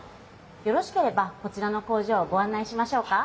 よろしければこちらの工場をごあん内しましょうか？